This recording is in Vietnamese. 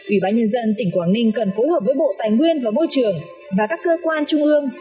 ủy ban nhân dân tỉnh quảng ninh cần phối hợp với bộ tài nguyên và môi trường và các cơ quan trung ương